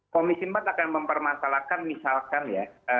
komisi empat akan mempermasalahkan misalkan ya